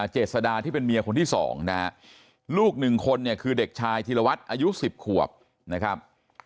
เจษดาที่เป็นเมียคนที่๒นะฮะลูกหนึ่งคนเนี่ยคือเด็กชายธีรวัตรอายุ๑๐ขวบนะครับ